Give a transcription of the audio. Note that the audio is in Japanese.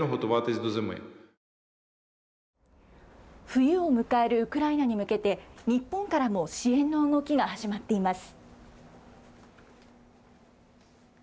冬を迎えるウクライナに向けて、日本からも支援の動きが始まっています。